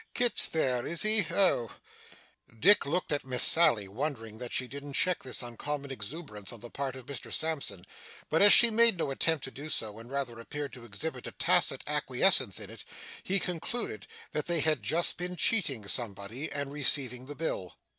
Kit's there, is he? Oh!' Dick looked at Miss Sally, wondering that she didn't check this uncommon exuberance on the part of Mr Sampson; but as she made no attempt to do so, and rather appeared to exhibit a tacit acquiescence in it, he concluded that they had just been cheating somebody, and receiving the bill.